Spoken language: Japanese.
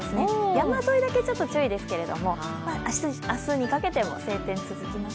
山沿いだけ注意ですけれども、明日にかけても晴天が続きます。